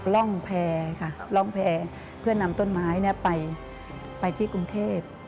ร่องแพร่ค่ะร่องแพร่เพื่อนำต้นไม้ไปที่กรุงเทพ